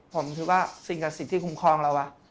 ผมคิดว่าสิ่งศาสตร์ที่คุ้มครองเราว่ะ